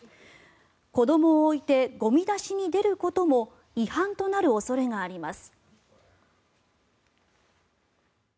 子どもを置いてゴミ出しに出ることも違反となる恐れがあります。